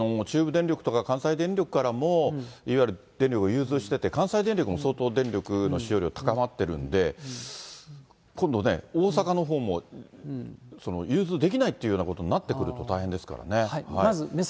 中部電力とか関西電力からも、いわゆる、電力を融通してて、関西電力も相当電力の使用量高まってるので、今度ね、大阪のほうも、融通できないということになってくると大変ですからね。